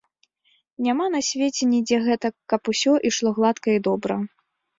Няма на свеце нідзе гэтак, каб усё ішло гладка і добра.